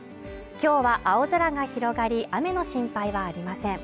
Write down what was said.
今日は青空が広がり雨の心配はありません